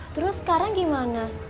terus sekarang gimana